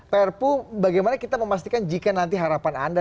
prpu bagaimana kita memastikan jika nanti harapan anda